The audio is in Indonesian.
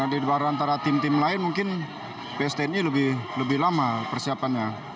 di antara tim tim lain mungkin pstni lebih lama persiapannya